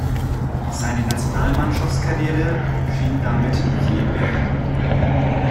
Seine Nationalmannschaftskarriere schien damit jäh beendet.